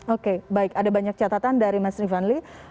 oke baik ada banyak catatan dari mas rifanli